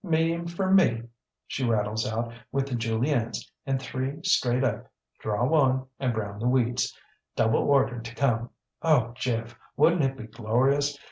ŌĆ£ŌĆśMedium for me, ŌĆÖ she rattles out, ŌĆświth the Juliennes, and three, straight up. Draw one, and brown the wheats, double order to come. Oh, Jeff, wouldnŌĆÖt it be glorious!